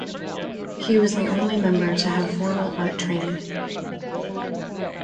He was the only member to have formal art training.